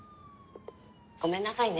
ごめんなさいね。